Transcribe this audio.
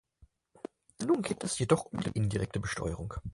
Nun geht es jedoch um die indirekte Besteuerung.